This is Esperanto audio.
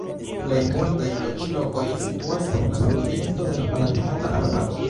Plej multaj loĝlokoj situas en la sudoriento de la Palatinata Arbaro.